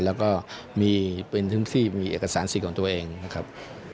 แล้วก็มีเป็นพื้นที่มีเอกสารสิทธิ์ของตัวเองนะครับ